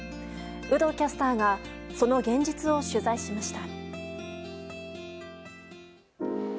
有働キャスターがその現実を取材しました。